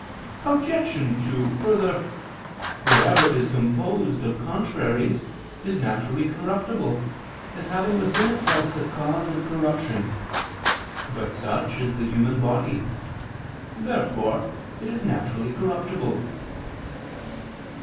Obj. 2: Further, whatever is composed of contraries is naturally corruptible, as having within itself the cause of corruption. But such is the human body. Therefore it is naturally corruptible.